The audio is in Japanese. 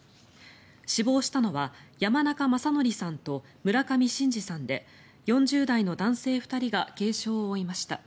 死亡したのは山中正規さんと村上伸治さんで４０代の男性２人が軽傷を負いました。